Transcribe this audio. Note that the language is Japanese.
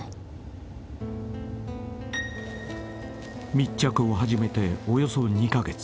［密着を始めておよそ２カ月］